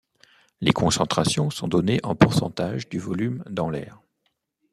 Les concentrations sont données en pourcentage du volume dans l’air.